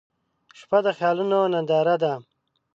• شپه د خیالونو ننداره ده.